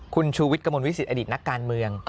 คุณชูวิทย์กระมวลวิสิตอดีตนักการเมือง